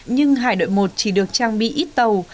nhưng hải đội một chỉ được trang bị ít tàu